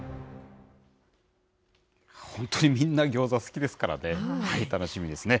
本当にみんな、ギョーザ好きですからね、楽しみですね。